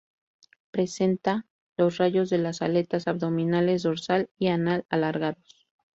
Presenta los rayos de las aletas abdominales, dorsal y anal alargados.